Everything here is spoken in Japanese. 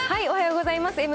おはようございます。